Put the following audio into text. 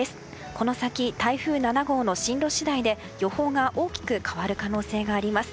この先、台風７号の進路次第で予報が大きく変わる可能性があります。